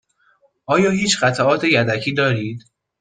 آیا هیچ قطعات یدکی دارید؟